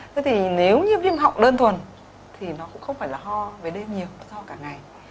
thế thì nếu như viêm họng đơn thuần thì nó cũng không phải là ho về đêm nhiều so cả ngày